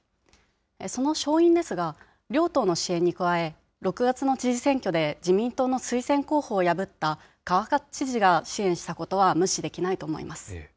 その勝因ですが、両党の支援に加え、６月の知事選挙で自民党の推薦候補を破った川勝知事が支援したことは無視できないと思います。